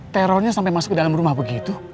terornya sampai masuk ke dalam rumah begitu